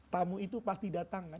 tamu itu pasti datang kan